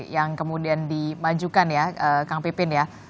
yang kemudian dimajukan ya kang pipin ya